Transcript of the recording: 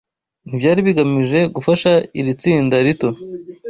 Ntibyari bigamije gufasha iri tsinda rito